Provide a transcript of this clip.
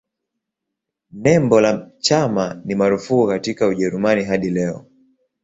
Nembo la chama ni marufuku katika Ujerumani hadi leo.